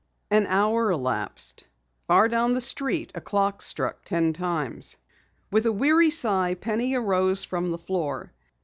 An hour elapsed. Far down the street a clock struck ten times. With a weary sigh Penny arose from the floor.